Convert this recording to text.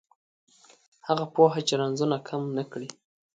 هغه پوهه چې رنځونه کم نه کړي